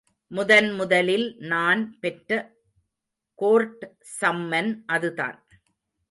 முதன் முதலில் நான் பெற்ற கோர்ட் சம்மன் அதுதான்.